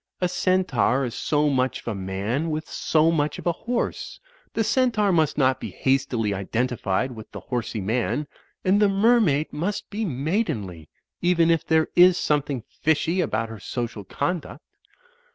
A Centaur is so much of a man with so much of a horse. The Centaur must not be hastily identified with the Horsey Man. And the Mermaid must be maidenly; even if there is something fishy about her social conduct."